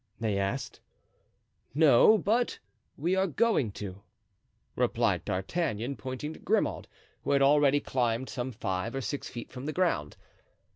they asked. "No, but we are going to," replied D'Artagnan, pointing to Grimaud, who had already climbed some five or six feet from the ground.